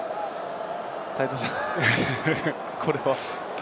斉藤さん、これは。